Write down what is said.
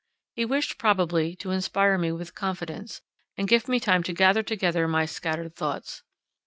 He wished probably to inspire me with confidence, and give me time to gather together my scattered thoughts.